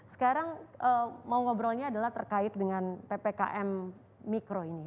sekarang mau ngobrolnya adalah terkait dengan ppkm mikro ini